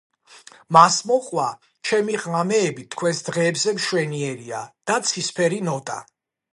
მას მოჰყვა „ჩემი ღამეები თქვენს დღეებზე მშვენიერია“, და „ცისფერი ნოტა“.